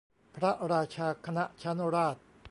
พระราชาคณะชั้นราช